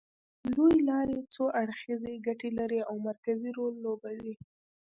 لوېې لارې څو اړخیزې ګټې لري او مرکزي رول لوبوي